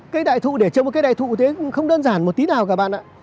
cây đại thụ để trồng một cây đại thụ thế không đơn giản một tí nào các bạn ạ